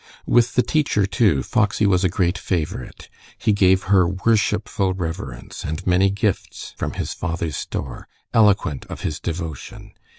With the teacher, too, Foxy was a great favorite. He gave her worshipful reverence and many gifts from his father's store, eloquent of his devotion.